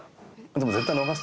でも。